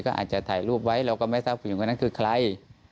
ก็อาจจะถ่ายรูปไว้เราก็ไม่ทราบผู้หญิงคนนั้นคือใคร